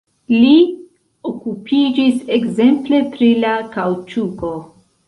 Li okupiĝis ekzemple pri la kaŭĉuko.